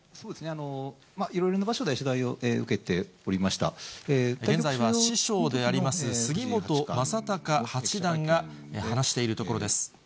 いろいろな場所で取材を受け現在は師匠であります、杉本昌隆八段が話しているところです。